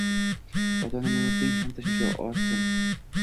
Ota-onalarimizning ham tashvishi ortsin.